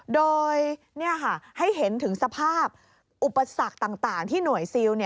โดยให้เห็นถึงสภาพอุปสรรคต่างที่หน่วยซิล